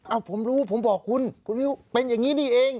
ผมรู้ผมบอกคุณคุณวิวเป็นอย่างนี้นี่เอง